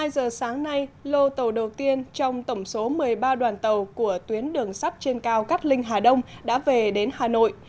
hai giờ sáng nay lô tàu đầu tiên trong tổng số một mươi ba đoàn tàu của tuyến đường sắt trên cao cát linh hà đông đã về đến hà nội